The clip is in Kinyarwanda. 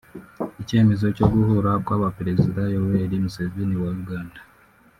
Icyemezo cyo guhura kw’abaperezida Yoweri Museveni wa Uganda